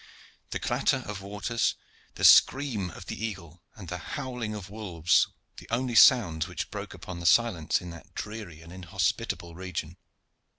The clatter of waters, the scream of the eagle, and the howling of wolves the only sounds which broke upon the silence in that dreary and inhospitable region.